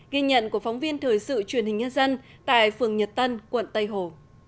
ghi nhận của phóng viên thời sự truyền hình nhân dân tại phường nhật tân quận tây hồ